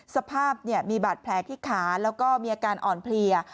สภาพมีบาดแผลที่ขาแล้วก็มีอาการอ่อนเพลีย